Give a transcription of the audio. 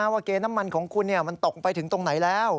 เกณฑ์น้ำมันของคุณมันตกไปถึงตรงไหนแล้ว